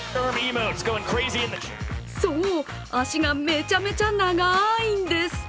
そう、脚がめちゃめちゃ長いんです。